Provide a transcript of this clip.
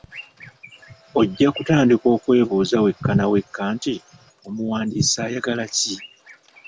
Ojja kutandika okwebuuza wekka na wekka nti omuwandiisi ayagala ki?